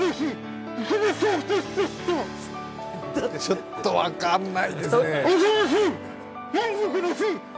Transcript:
ちょっと分かんないですね。